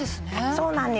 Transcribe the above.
そうなんですよ。